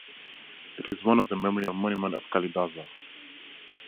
It is one of the memorial monument of Kalidasa.